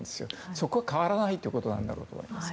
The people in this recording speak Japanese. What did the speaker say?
そこは変わらないってことなんだろうと思います。